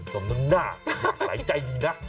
ก็มันน่าอยากหลายใจดีนะ